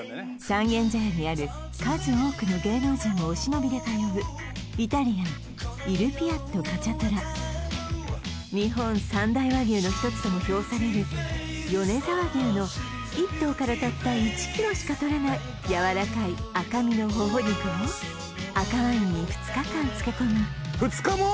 三軒茶屋にある数多くの芸能人もお忍びで通うイタリアン日本三大和牛の一つとも評される米沢牛の１頭からたった１キロしかとれないやわらかい赤身のほほ肉を赤ワインに２日間漬け込み２日も！？